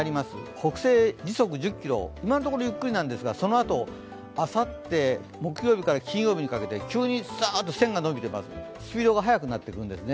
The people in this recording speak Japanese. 北西時速１０キロ、今のところゆっくりなんですがそのあと、あさって木曜日から金曜日にかけて急にさーっと線が延びてます、スピードが速くなるんですね。